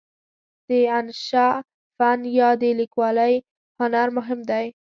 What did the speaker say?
د انشأ فن یا د لیکوالۍ هنر مهم دی.